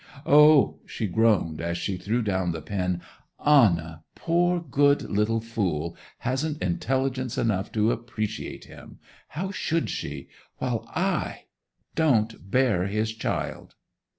'O!' she groaned, as she threw down the pen. 'Anna—poor good little fool—hasn't intelligence enough to appreciate him! How should she? While I—don't bear his child!